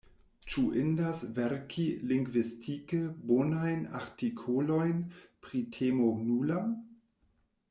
Ĉu indas verki lingvistike bonajn artikolojn pri temo nula?